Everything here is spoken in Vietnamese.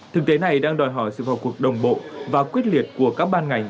thực tế này đang đòi hỏi sự vào cuộc đồng bộ và quyết liệt của các ban ngành